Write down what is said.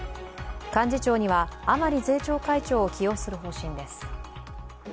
幹事長には、甘利税調会長を起用する方針です。